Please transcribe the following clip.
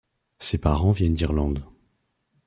Ses parents viennent d'Irlande.